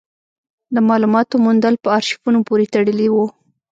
د مالوماتو موندل په ارشیفونو پورې تړلي وو.